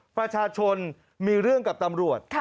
ประชาชนมีเรื่องกับตำรวจ